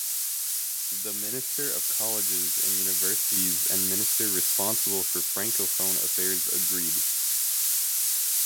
The Minister of Colleges and Universities and Minister Responsible for Francophone Affairs agreed.